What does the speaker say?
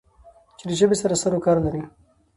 چې د ژبې سره سرو کار لری